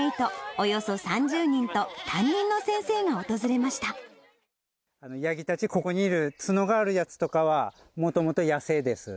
およそ３０人と担任の先生が訪れましヤギたち、ここにいる、角があるやつとかは、もともと野生です。